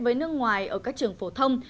với nước ngoài ở các trường phổ thông